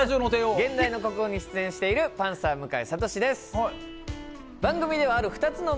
「現代の国語」に出演しているパンサー向井慧です。